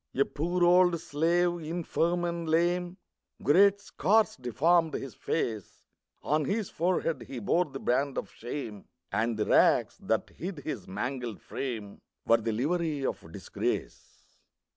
A poor old slave, infirm and lame; Great scars deformed his face; On his forehead he bore the brand of shame, And the rags, that hid his mangled frame, Were the livery of disgrace.